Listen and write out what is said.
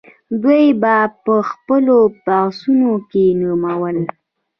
دوی به په خپلو بحثونو کې نومول.